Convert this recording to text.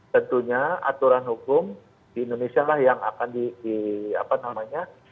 tentunya aturan hukum di indonesia lah yang akan di apa namanya